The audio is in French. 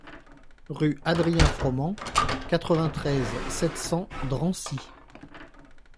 Rue Adrien Froment, quatre-vingt-treize, sept cents Drancy